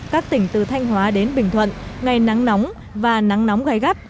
các tỉnh từ thanh hóa đến bình thuận ngày nắng nóng và nắng nóng gai gắt